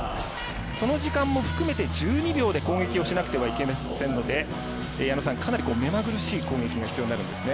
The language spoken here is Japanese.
その時間も含めて１２秒で攻撃しなくてはいけませんのでかなり目まぐるしい攻撃が必要になるんですね。